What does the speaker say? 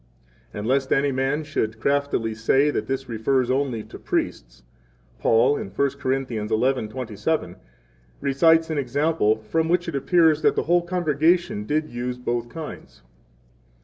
3 And lest any man should craftily say that this refers only to priests, Paul in 1 Cor. 11:27 recites an example from which it appears that the whole congregation did use both kinds.